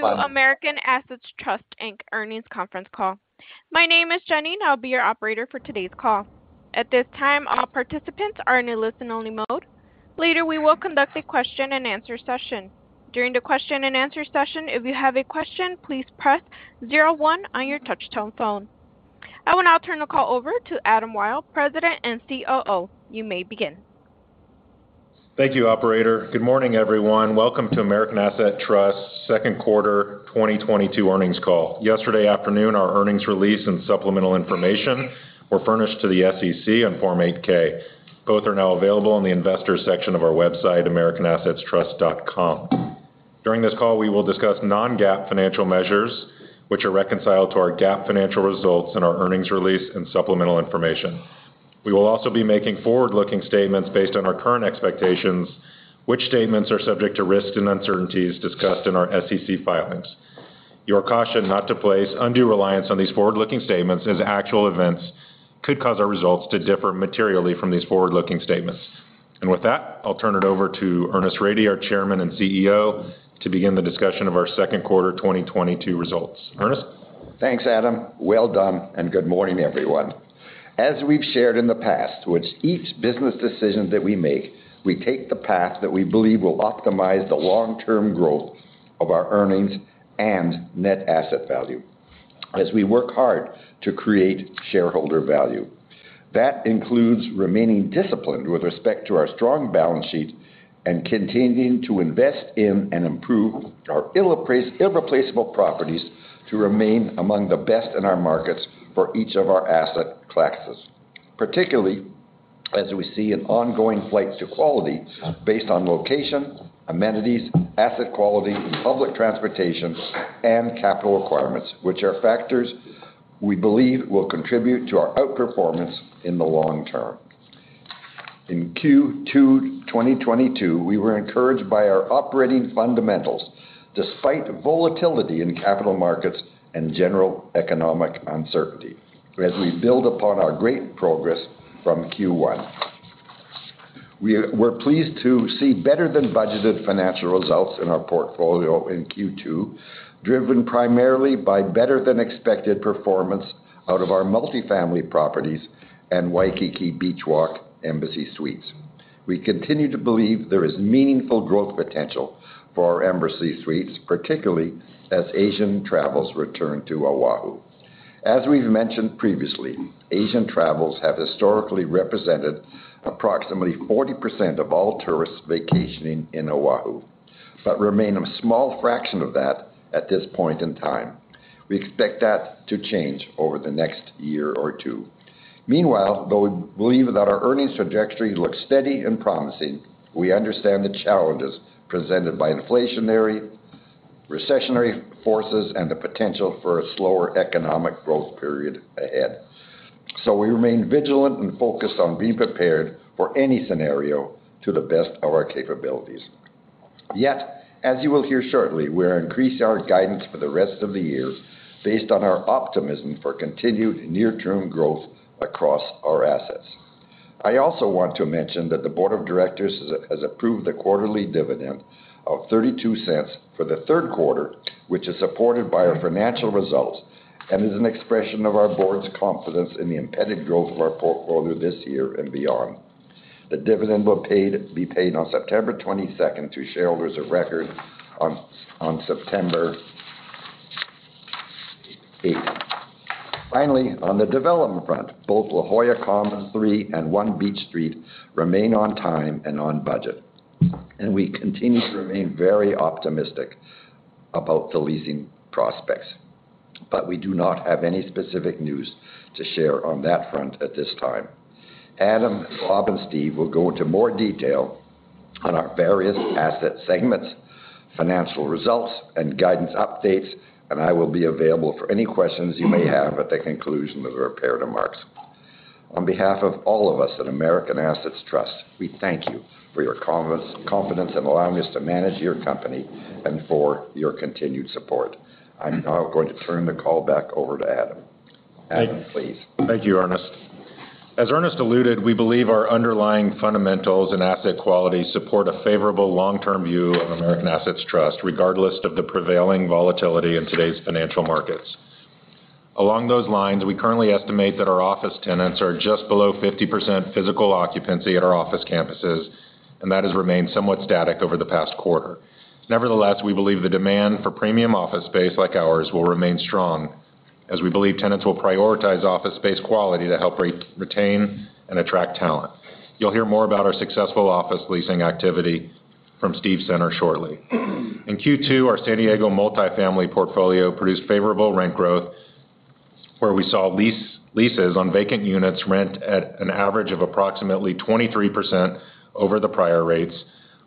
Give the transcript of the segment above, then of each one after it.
Welcome to American Assets Trust, Inc Earnings Conference Call. My name is Janine. I'll be your Operator for today's call. At this time, all participants are in a listen-only mode. Later, we will conduct a question-and-answer session. During the question-and-answer session, if you have a question, please press zero one on your touch-tone phone. I will now turn the call over to Adam Wyll, President and COO. You may begin. Thank you, Operator. Good morning, everyone. Welcome to American Assets Trust Second Quarter 2022 earnings call. Yesterday afternoon, our earnings release and supplemental information were furnished to the SEC on Form 8-K. Both are now available on the Investors section of our website, americanassetstrust.com. During this call, we will discuss non-GAAP financial measures, which are reconciled to our GAAP financial results in our earnings release and supplemental information. We will also be making forward-looking statements based on our current expectations, which statements are subject to risks and uncertainties discussed in our SEC filings. You are cautioned not to place undue reliance on these forward-looking statements, as actual events could cause our results to differ materially from these forward-looking statements. With that, I'll turn it over to Ernest Rady, our Chairman and CEO, to begin the discussion of our second quarter 2022 results. Ernest? Thanks, Adam. Well done, and good morning, everyone. As we've shared in the past, with each business decision that we make, we take the path that we believe will optimize the long-term growth of our earnings and net asset value as we work hard to create shareholder value. That includes remaining disciplined with respect to our strong balance sheet and continuing to invest in and improve our irreplaceable properties to remain among the best in our markets for each of our asset classes. Particularly, as we see an ongoing flight to quality based on location, amenities, asset quality, public transportation, and capital requirements, which are factors we believe will contribute to our outperformance in the long term. In Q2 2022, we were encouraged by our operating fundamentals despite volatility in capital markets and general economic uncertainty as we build upon our great progress from Q1. We're pleased to see better than budgeted financial results in our portfolio in Q2, driven primarily by better than expected performance out of our Multifamily properties and Waikiki Beach Walk Embassy Suites. We continue to believe there is meaningful growth potential for our Embassy Suites, particularly as Asian travelers return to Oahu. As we've mentioned previously, Asian travelers have historically represented approximately 40% of all tourists vacationing in Oahu but remain a small fraction of that at this point in time. We expect that to change over the next year or two. Meanwhile, though we believe that our earnings trajectory looks steady and promising, we understand the challenges presented by inflationary, recessionary forces and the potential for a slower economic growth period ahead. We remain vigilant and focused on being prepared for any scenario to the best of our capabilities. As you will hear shortly, we're increasing our guidance for the rest of the year based on our optimism for continued near-term growth across our assets. I also want to mention that the Board of Directors has approved a quarterly dividend of $0.32 for the third quarter, which is supported by our financial results and is an expression of our board's confidence in the embedded growth of our portfolio this year and beyond. The dividend will be paid on September 22nd to shareholders of record on September 8th. Finally, on the development front, both La Jolla Commons III and One Beach Street remain on time and on budget, and we continue to remain very optimistic about the leasing prospects. We do not have any specific news to share on that front at this time. Adam, Bob, and Steve will go into more detail on our various asset segments, financial results, and guidance updates, and I will be available for any questions you may have at the conclusion of their prepared remarks. On behalf of all of us at American Assets Trust, we thank you for your confidence in allowing us to manage your company and for your continued support. I'm now going to turn the call back over to Adam. Adam, please. Thank you, Ernest. As Ernest alluded, we believe our underlying fundamentals and asset quality support a favorable long-term view of American Assets Trust, regardless of the prevailing volatility in today's financial markets. Along those lines, we currently estimate that our office tenants are just below 50% physical occupancy at our office campuses, and that has remained somewhat static over the past quarter. Nevertheless, we believe the demand for premium office space like ours will remain strong, as we believe tenants will prioritize office space quality to help retain and attract talent. You'll hear more about our successful office leasing activity from Steve Center shortly. In Q2, our San Diego Multifamily portfolio produced favorable rent growth, where we saw leases on vacant units rent at an average of approximately 23% over the prior rates,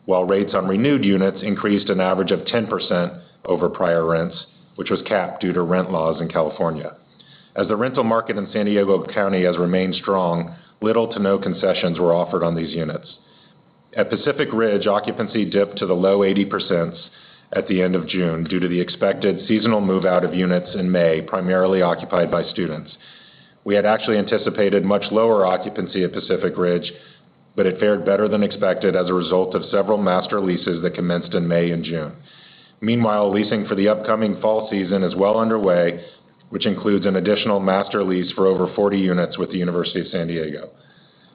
while rates on renewed units increased an average of 10% over prior rents, which was capped due to rent laws in California. As the rental market in San Diego County has remained strong, little to no concessions were offered on these units. At Pacific Ridge, occupancy dipped to the low 80s% at the end of June due to the expected seasonal move out of units in May, primarily occupied by students. We had actually anticipated much lower occupancy at Pacific Ridge, but it fared better than expected as a result of several master leases that commenced in May and June. Meanwhile, leasing for the upcoming fall season is well underway, which includes an additional master lease for over 40 units with the University of San Diego.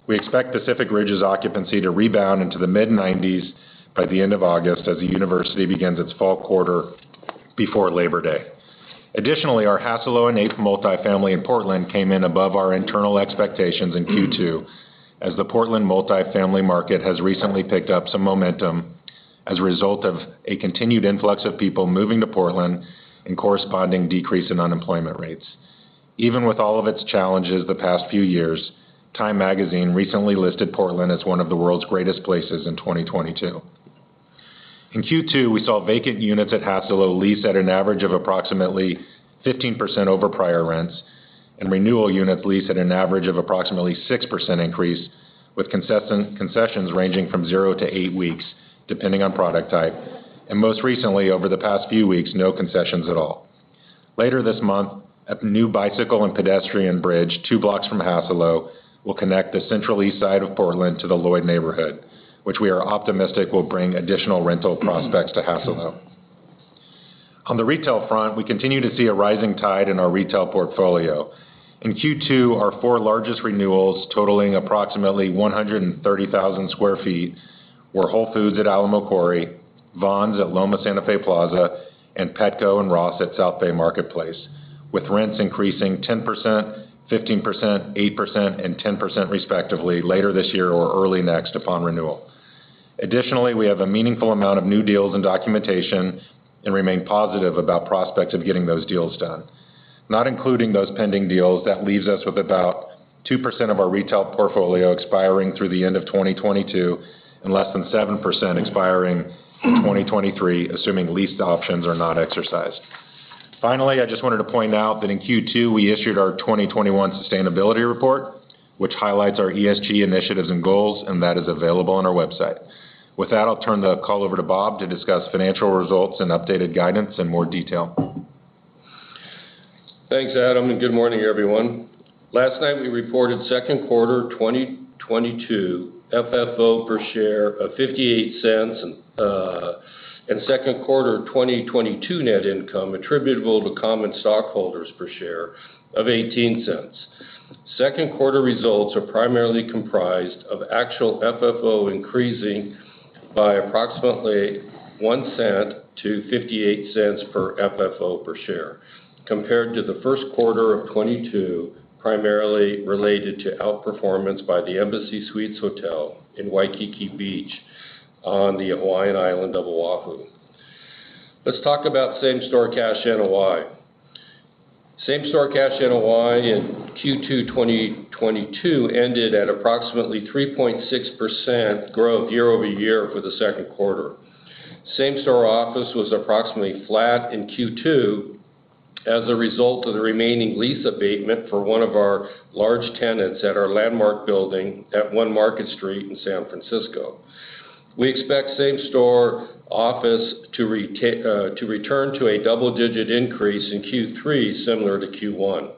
We expect Pacific Ridge's occupancy to rebound into the mid-90s% by the end of August as the university begins its fall quarter before Labor Day. Additionally, our Hassalo on Eighth Multifamily in Portland came in above our internal expectations in Q2, as the Portland Multifamily market has recently picked up some momentum as a result of a continued influx of people moving to Portland and corresponding decrease in unemployment rates. Even with all of its challenges the past few years, Time Magazine recently listed Portland as one of the world's greatest places in 2022. In Q2, we saw vacant units at Hassalo lease at an average of approximately 15% over prior rents, and renewal units lease at an average of approximately 6% increase, with concessions ranging from zero to eight weeks, depending on product type, and most recently, over the past few weeks, no concessions at all. Later this month, a new bicycle and pedestrian bridge two blocks from Hassalo will connect the central east side of Portland to the Lloyd neighborhood, which we are optimistic will bring additional rental prospects to Hassalo. On the retail front, we continue to see a rising tide in our retail portfolio. In Q2, our four largest renewals, totaling approximately 130,000 sq ft, were Whole Foods at Alamo Quarry Market, Vons at Lomas Santa Fe Plaza, and Petco and Ross at Southbay Marketplace, with rents increasing 10%, 15%, 8%, and 10% respectively later this year or early next upon renewal. Additionally, we have a meaningful amount of new deals in documentation and remain positive about prospects of getting those deals done. Not including those pending deals, that leaves us with about 2% of our retail portfolio expiring through the end of 2022 and less than 7% expiring in 2023, assuming lease options are not exercised. Finally, I just wanted to point out that in Q2, we issued our 2021 sustainability report, which highlights our ESG initiatives and goals, and that is available on our website. With that, I'll turn the call over to Bob to discuss financial results and updated guidance in more detail. Thanks, Adam, and good morning, everyone. Last night we reported second quarter 2022 FFO per share of $0.58, and second quarter 2022 net income attributable to common stockholders per share of $0.18. Second quarter results are primarily comprised of actual FFO increasing by approximately $0.01-$0.58 per FFO per share, compared to the first quarter of 2022, primarily related to outperformance by the Embassy Suites by Hilton Waikiki Beach Walk on the Hawaiian island of Oahu. Let's talk about same-store cash NOI. Same-store cash NOI in Q2 2022 ended at approximately 3.6% growth year-over-year for the second quarter. Same-store office was approximately flat in Q2 as a result of the remaining lease abatement for one of our large tenants at our landmark building at One Beach Street in San Francisco. We expect same-store office to return to a double-digit increase in Q3, similar to Q1.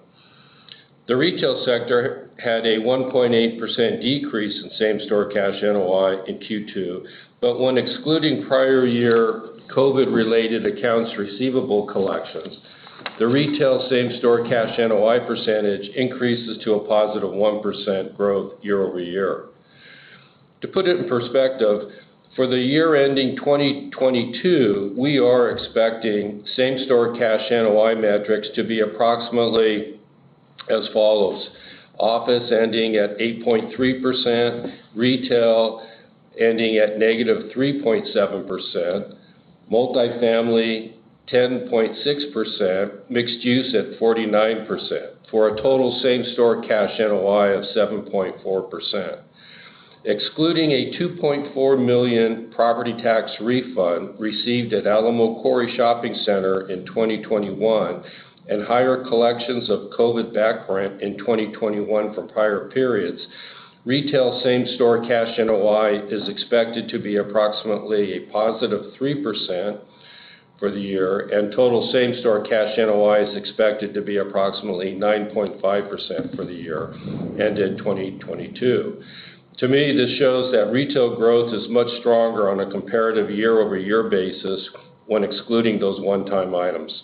The retail sector had a 1.8% decrease in same-store cash NOI in Q2, but when excluding prior year COVID-related accounts receivable collections, the retail same-store cash NOI percentage increases to a positive 1% growth year-over-year. To put it in perspective, for the year ending 2022, we are expecting same-store cash NOI metrics to be approximately as follows. Office ending at 8.3%, retail ending at negative 3.7%, Multifamily 10.6%, mixed-use at 49%, for a total same-store cash NOI of 7.4%. Excluding a $2.4 million property tax refund received at Alamo Quarry Market in 2021 and higher collections of COVID back rent in 2021 for prior periods, retail same-store cash NOI is expected to be approximately +3% for the year, and total same-store cash NOI is expected to be approximately 9.5% for the year ending 2022. To me, this shows that retail growth is much stronger on a comparative year-over-year basis when excluding those one-time items.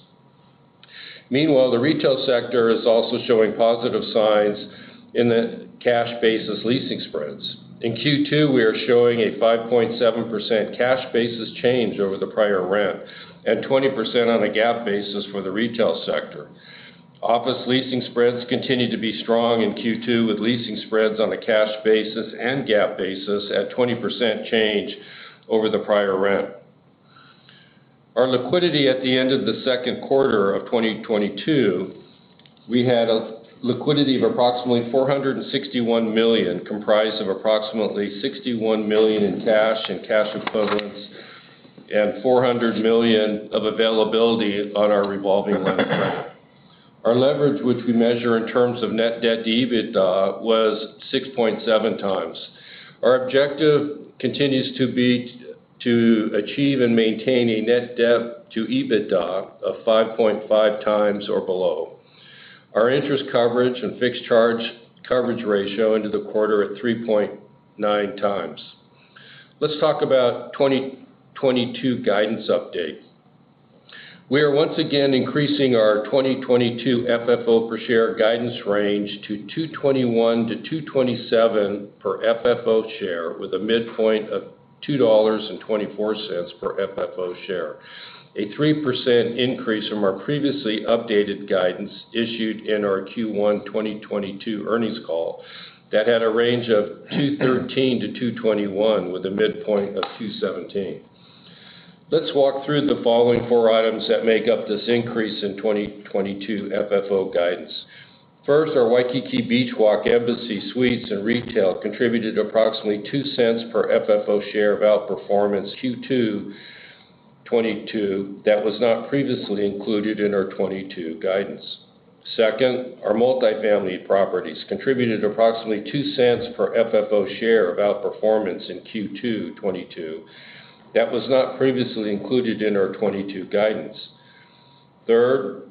Meanwhile, the retail sector is also showing positive signs in the cash basis leasing spreads. In Q2, we are showing a 5.7% cash basis change over the prior rent and 20% on a GAAP basis for the retail sector. Office leasing spreads continued to be strong in Q2 with leasing spreads on a cash basis and GAAP basis at 20% change over the prior rent. Our liquidity at the end of the second quarter of 2022, we had a liquidity of approximately $461 million, comprised of approximately $61 million in cash and cash equivalents and $400 million of availability on our revolving line of credit. Our leverage, which we measure in terms of net debt-to-EBITDA, was 6.7x. Our objective continues to be to achieve and maintain a net debt-to-EBITDA of 5.5x or below. Our interest coverage and fixed charge coverage ratio in the quarter at 3.9x. Let's talk about 2022 guidance update. We are once again increasing our 2022 FFO per share guidance range to $2.21-$2.27 per FFO share with a midpoint of $2.24 per FFO share. It is a 3% increase from our previously updated guidance issued in our Q1 2022 earnings call that had a range of $2.13-$2.21 with a midpoint of $2.17. Let's walk through the following four items that make up this increase in 2022 FFO guidance. First, our Waikiki Beach Walk Embassy Suites and retail contributed approximately $0.02 per FFO share of outperformance Q2 2022 that was not previously included in our 2022 guidance. Second, our Multifamily properties contributed approximately $0.02 per FFO share of outperformance in Q2 2022 that was not previously included in our 2022 guidance. Third,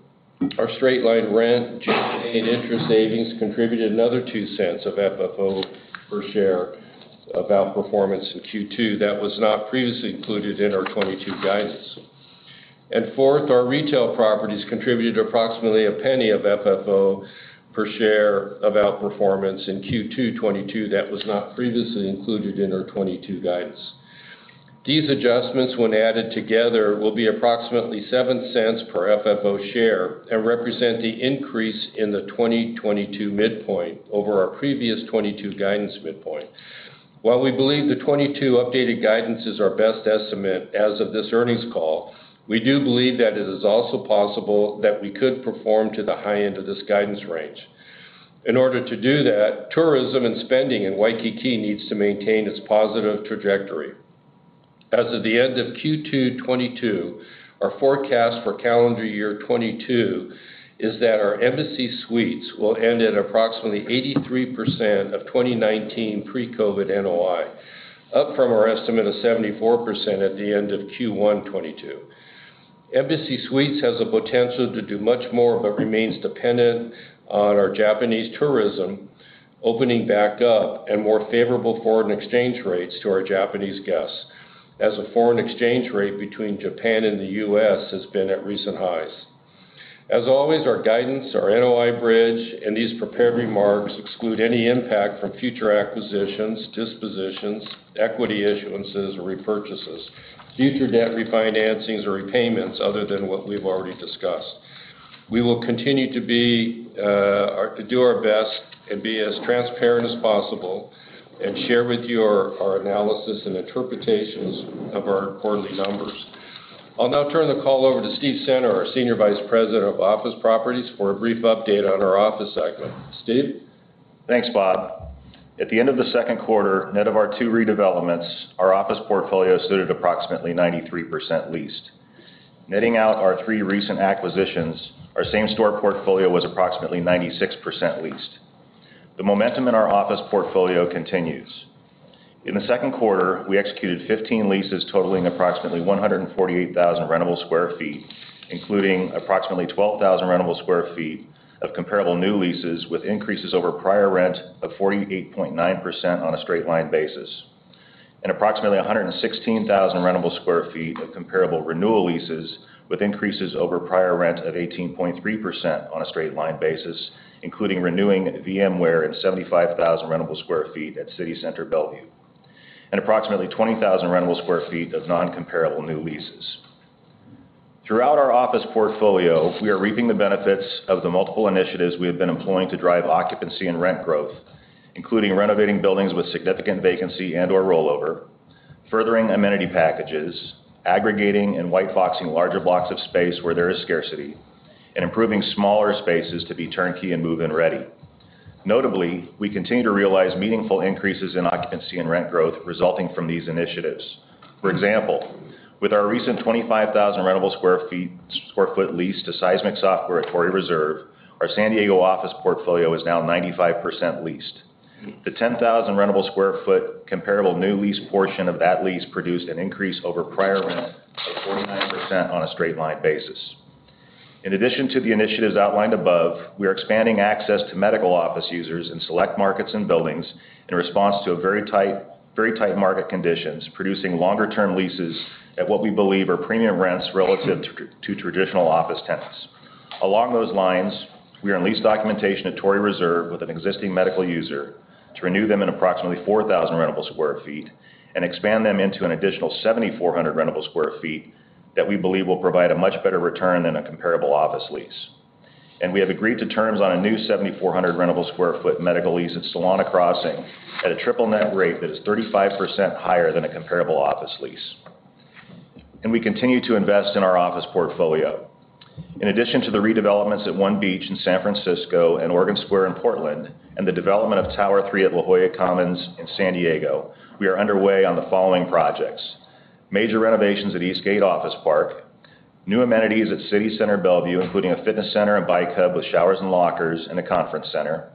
our straight-line rent, G&A and interest savings contributed another $0.02 of FFO per share of outperformance in Q2 that was not previously included in our 2022 guidance. Fourth, our retail properties contributed approximately $0.01 of FFO per share of outperformance in Q2 2022 that was not previously included in our 2022 guidance. These adjustments, when added together, will be approximately $0.07 per FFO share and represent the increase in the 2022 midpoint over our previous 2022 guidance midpoint. While we believe the 2022 updated guidance is our best estimate as of this earnings call, we do believe that it is also possible that we could perform to the high end of this guidance range. In order to do that, tourism and spending in Waikiki needs to maintain its positive trajectory. As of the end of Q2 2022, our forecast for calendar year 2022 is that our Embassy Suites will end at approximately 83% of 2019 pre-COVID NOI, up from our estimate of 74% at the end of Q1 2022. Embassy Suites has the potential to do much more, but remains dependent on our Japanese tourism opening back up and more favorable foreign exchange rates to our Japanese guests as the foreign exchange rate between Japan and the U.S. has been at recent highs. As always, our guidance, our NOI bridge, and these prepared remarks exclude any impact from future acquisitions, dispositions, equity issuances or repurchases, future debt refinancings or repayments other than what we've already discussed. We will continue to do our best and be as transparent as possible and share with you our analysis and interpretations of our quarterly numbers. I'll now turn the call over to Steve Center, our Senior Vice President of Office Properties, for a brief update on our office segment. Steve? Thanks, Bob. At the end of the second quarter, net of our two redevelopments, our office portfolio stood at approximately 93% leased. Netting out our three recent acquisitions, our same store portfolio was approximately 96% leased. The momentum in our office portfolio continues. In the second quarter, we executed 15 leases totaling approximately 148,000 rentable sq ft, including approximately 12,000 rentable sq ft of comparable new leases, with increases over prior rent of 48.9% on a straight line basis, and approximately 116,000 rentable sq ft of comparable renewal leases, with increases over prior rent of 18.3% on a straight line basis, including renewing VMware and 75,000 rentable sq ft at City Center Bellevue, and approximately 20,000 rentable sq ft of non-comparable new leases. Throughout our office portfolio, we are reaping the benefits of the multiple initiatives we have been employing to drive occupancy and rent growth, including renovating buildings with significant vacancy and/or rollover, furthering amenity packages, aggregating and white boxing larger blocks of space where there is scarcity, and improving smaller spaces to be turnkey and move-in ready. Notably, we continue to realize meaningful increases in occupancy and rent growth resulting from these initiatives. For example, with our recent 25,000 rentable sq ft lease to Seismic at Torrey Reserve, our San Diego office portfolio is now 95% leased. The 10,000 rentable sq ft comparable new lease portion of that lease produced an increase over prior rent of 49% on a straight-line basis. In addition to the initiatives outlined above, we are expanding access to medical office users in select markets and buildings in response to a very tight market conditions, producing longer term leases at what we believe are premium rents relative to traditional office tenants. Along those lines, we are in lease documentation at Torrey Reserve with an existing medical user to renew them in approximately 4,000 rentable sq ft and expand them into an additional 7,400 rentable sq ft that we believe will provide a much better return than a comparable office lease. We have agreed to terms on a new 7,400 rentable square foot medical lease at Solana Crossing at a triple net rate that is 35% higher than a comparable office lease. We continue to invest in our office portfolio. In addition to the redevelopments at One Beach in San Francisco and Oregon Square in Portland, and the development of Tower III at La Jolla Commons in San Diego, we are underway on the following projects: Major renovations at Eastgate Office Park. New amenities at City Center Bellevue, including a fitness center, a bike hub with showers and lockers, and a conference center.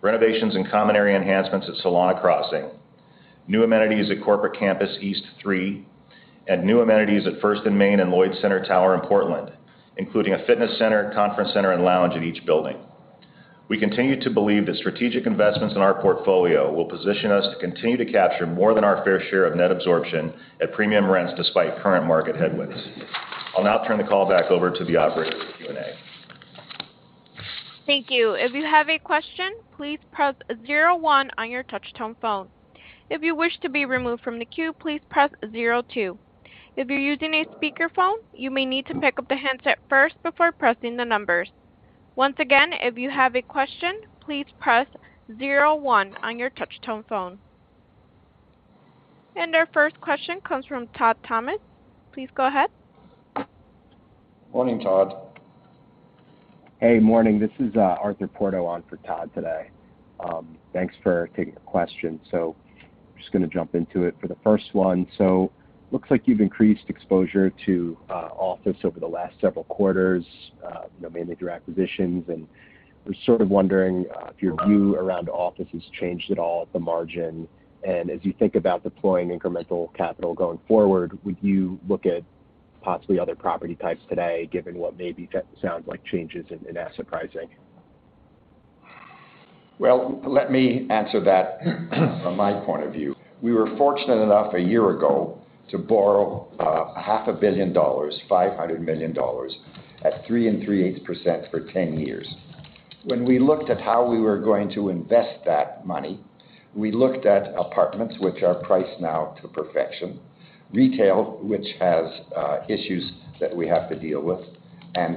Renovations and common area enhancements at Solana Crossing. New amenities at Corporate Campus East III, and new amenities at First & Main and Lloyd Center Tower in Portland, including a fitness center, conference center, and lounge in each building. We continue to believe that strategic investments in our portfolio will position us to continue to capture more than our fair share of net absorption at premium rents despite current market headwinds. I'll now turn the call back over to the Operator for Q&A. Thank you. If you have a question, please press zero one on your touch-tone phone. If you wish to be removed from the queue, please press zero two. If you're using a speakerphone, you may need to pick up the handset first before pressing the numbers. Once again, if you have a question, please press zero one on your touch-tone phone. Our first question comes from Todd Thomas. Please go ahead. Morning, Todd. Hey, morning. This is Arthur Porto on for Todd Thomas today. Thanks for taking the question. Just gonna jump into it for the first one. Looks like you've increased exposure to office over the last several quarters, you know, mainly through acquisitions. We're sort of wondering if your view around office has changed at all at the margin. As you think about deploying incremental capital going forward, would you look at possibly other property types today, given what maybe sounds like changes in asset pricing? Well, let me answer that from my point of view. We were fortunate enough a year ago to borrow half a billion dollars, $500 million, at 3 3/8% for 10 years. When we looked at how we were going to invest that money, we looked at apartments, which are priced now to perfection, retail, which has issues that we have to deal with and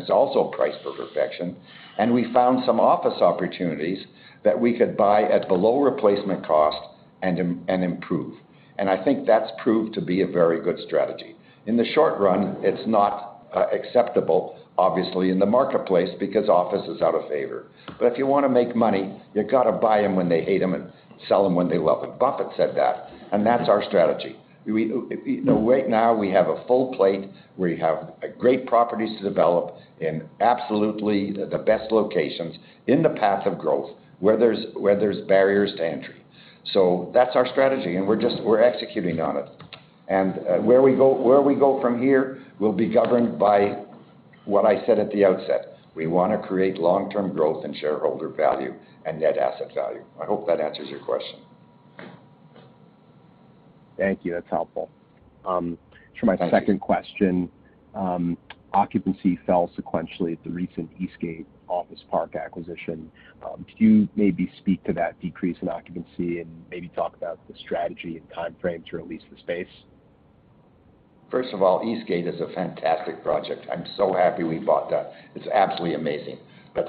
is also priced for perfection. We found some office opportunities that we could buy at below replacement cost and improve. I think that's proved to be a very good strategy. In the short run, it's not acceptable, obviously, in the marketplace because office is out of favor. If you wanna make money, you gotta buy 'em when they hate 'em and sell 'em when they love 'em. Buffett said that, and that's our strategy. Right now we have a full plate. We have great properties to develop in absolutely the best locations in the path of growth where there's barriers to entry. That's our strategy, and we're just executing on it. Where we go from here will be governed by what I said at the outset. We wanna create long-term growth and shareholder value and net asset value. I hope that answers your question. Thank you. That's helpful. Thank you. My second question, occupancy fell sequentially at the recent Eastgate Office Park acquisition. Could you maybe speak to that decrease in occupancy and maybe talk about the strategy and timeframe to release the space? First of all, Eastgate is a fantastic project. I'm so happy we bought that. It's absolutely amazing.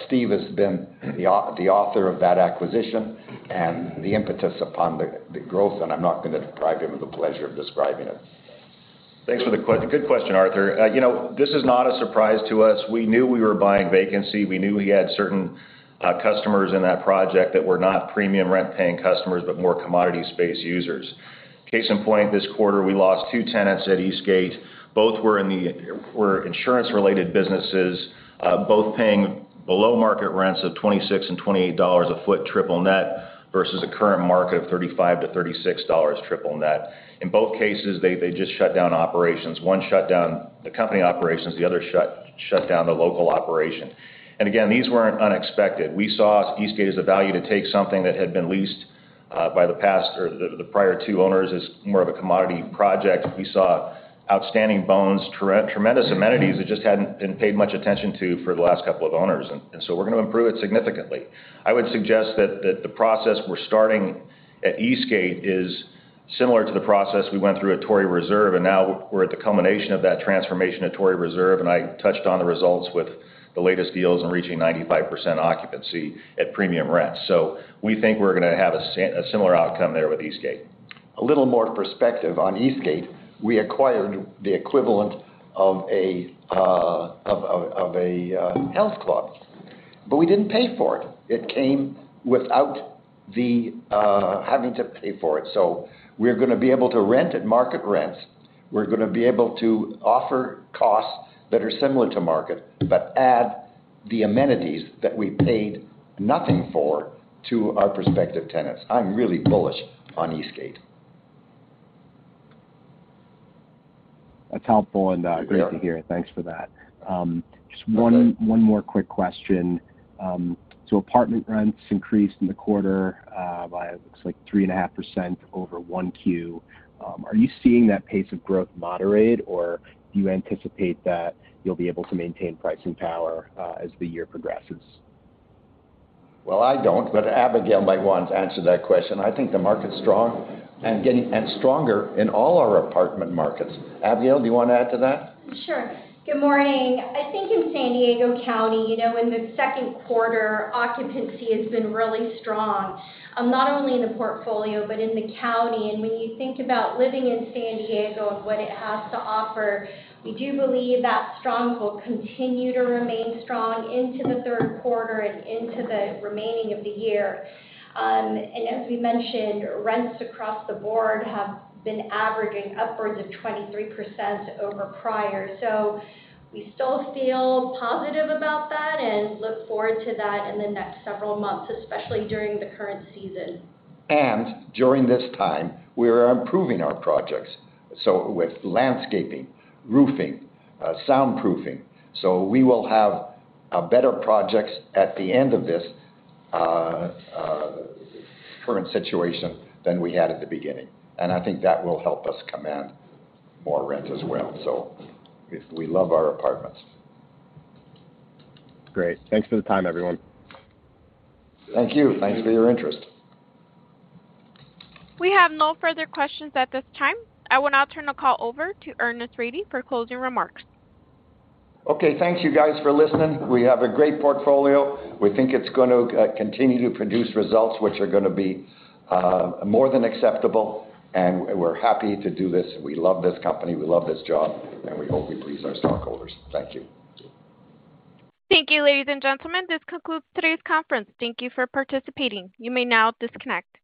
Steve has been the author of that acquisition and the impetus upon the growth, and I'm not gonna deprive him of the pleasure of describing it. Thanks for the good question, Arthur. You know, this is not a surprise to us. We knew we were buying vacancy. We knew he had certain customers in that project that were not premium rent-paying customers but more commodity space users. Case in point, this quarter, we lost two tenants at Eastgate. Both were insurance-related businesses, both paying below market rents of $26 and $28 a foot triple net versus the current market of $35-$36 triple net. In both cases, they just shut down operations. One shut down the company operations, the other shut down the local operation. Again, these weren't unexpected. We saw Eastgate as a value to take something that had been leased by the past or the prior two owners as more of a commodity project. We saw outstanding bones, tremendous amenities that just hadn't been paid much attention to for the last couple of owners, and so we're gonna improve it significantly. I would suggest that the process we're starting at Eastgate is similar to the process we went through at Torrey Reserve, and now we're at the culmination of that transformation at Torrey Reserve, and I touched on the results with the latest deals and reaching 95% occupancy at premium rent. We think we're gonna have a similar outcome there with Eastgate. A little more perspective on Eastgate. We acquired the equivalent of a health club, but we didn't pay for it. It came without having to pay for it. We're gonna be able to rent at market rents. We're gonna be able to offer costs that are similar to market, but add the amenities that we paid nothing for to our prospective tenants. I'm really bullish on Eastgate. That's helpful and great to hear. Thanks for that. Just one more quick question. Apartment rents increased in the quarter by looks like 3.5% over 1Q. Are you seeing that pace of growth moderate, or do you anticipate that you'll be able to maintain pricing power as the year progresses? Well, I don't, but Abigail might want to answer that question. I think the market's strong and getting stronger in all our apartment markets. Abigail, do you wanna add to that? Sure. Good morning. I think in San Diego County, you know, in the second quarter, occupancy has been really strong, not only in the portfolio, but in the county. When you think about living in San Diego and what it has to offer, we do believe that strong will continue to remain strong into the third quarter and into the remaining of the year. As we mentioned, rents across the board have been averaging upwards of 23% over prior. We still feel positive about that and look forward to that in the next several months, especially during the current season. During this time, we are improving our projects, so with landscaping, roofing, soundproofing. We will have better projects at the end of this current situation than we had at the beginning. I think that will help us command more rent as well. We love our apartments. Great. Thanks for the time, everyone. Thank you. Thanks for your interest. We have no further questions at this time. I will now turn the call over to Ernest Rady for closing remarks. Okay, thanks you guys for listening. We have a great portfolio. We think it's gonna continue to produce results which are gonna be more than acceptable, and we're happy to do this. We love this company. We love this job, and we hope we please our stockholders. Thank you. Thank you, ladies, and gentlemen. This concludes today's conference. Thank you for participating. You may now disconnect.